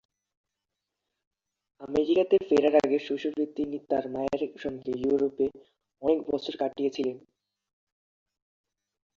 America তে ফেরার আগে শৈশবে তিনি তার মায়ের সঙ্গে ইউরোপে অনেক বছর কাটিয়েছিলেন।